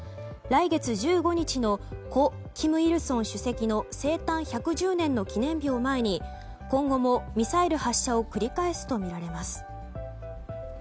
来月１５日の故・金日成主席の生誕１１０年の記念日を前に今後もミサイル発射を繰り返すとみられます。